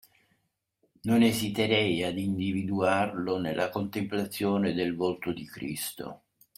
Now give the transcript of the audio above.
Non esiterei ad individuarlo nella contemplazione del volto di Cristo